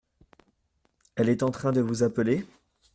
Elle est en train de vous appeler ?